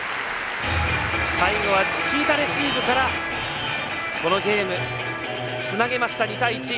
最後はチキータレシーブからこのゲーム、つなげました２対１。